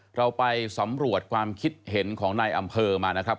เราไปสำรวจความคิดเห็นของนายอำเภอมานะครับ